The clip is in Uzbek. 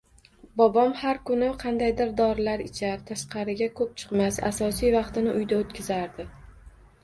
Bobom har kuni qandaydir dorilar ichar, tashqariga koʻp chiqmas, asosiy vaqtini uyda oʻtkazardi